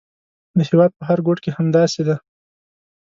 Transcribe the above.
د هېواد په هر ګوټ کې همداسې ده.